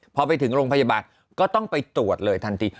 พอไปถึงโรงพยาบาลก็ต้องไปตรวจเลยทันที